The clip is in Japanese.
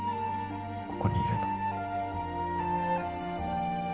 ここにいるの。